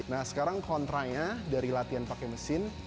nah sekarang kontra nya dari latihan pakai mesin